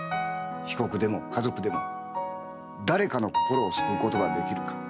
被告でも家族でも誰かの心を救うことができるか。